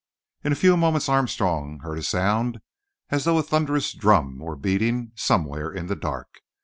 In a few moments Armstrong, heard a sound as though a thunderous drum were beating somewhere in the dark.